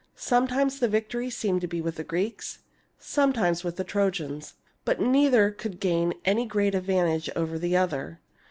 Sometimes the victory seemed to be with the Greeks, sometimes with the Trojans ; but neither could gain any great advantage over the other.